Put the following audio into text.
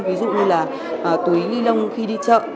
ví dụ như là túi ni lông khi đi chợ